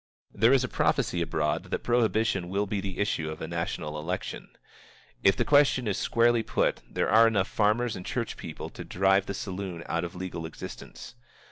There is a prophecy abroad that prohibition will be the issue of a national election. If the question is squarely put, there are enough farmers and church people to drive the saloon out of legal existence.